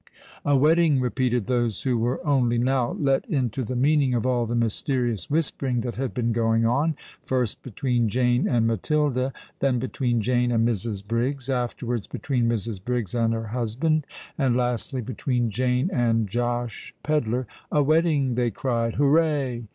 "A wedding!" repeated those who were only now let into the meaning of all the mysterious whispering that had been going on—first between Jane and Matilda—then between Jane and Mrs. Briggs—afterwards between Mrs. Briggs and her husband—and lastly between Jane and Josh Pedler:—"a wedding!" they cried: "hooray!"